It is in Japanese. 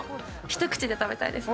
一口で食べたいです。